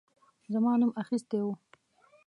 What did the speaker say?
زما نوم اخیستی وو.